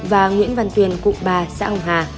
và nguyễn văn tuyền cụm ba xã hồng hà